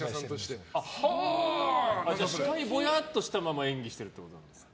視界は、ぼやっとしたまま演技してるってことですか。